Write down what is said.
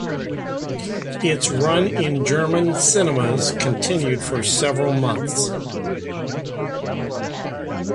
Its run in German cinemas continued for several months.